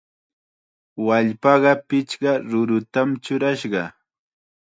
Wallpaqa pichqa rurutam churashqa.